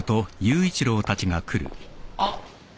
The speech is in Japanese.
あっ。